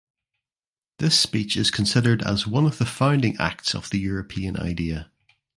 This speech is considered as one of the founding acts of the European idea.